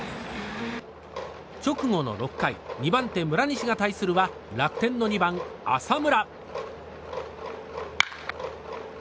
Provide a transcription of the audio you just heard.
直後の６回２番手の村西が対するは楽天の２番、浅村。